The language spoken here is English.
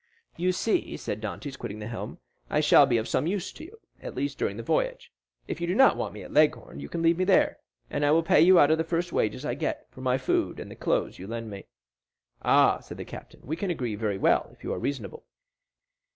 "You see," said Dantès, quitting the helm, "I shall be of some use to you, at least during the voyage. If you do not want me at Leghorn, you can leave me there, and I will pay you out of the first wages I get, for my food and the clothes you lend me." "Ah," said the captain, "we can agree very well, if you are reasonable."